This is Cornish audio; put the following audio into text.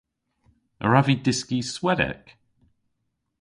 A wrav vy dyski Swedek?